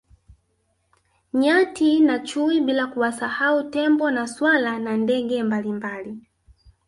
Nyati na chui bila kuwasahau tembo na swala na ndege mbalimbali